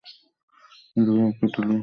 কিন্তু ভাগবত লোকটা বড় ধর্মনিষ্ঠ।